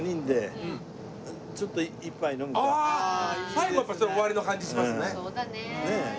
最後はやっぱりそれ終わりの感じしますね。